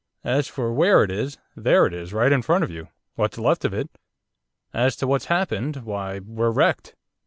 'As for where it is, there it is, right in front of you, what's left of it. As to what's happened, why, we're wrecked.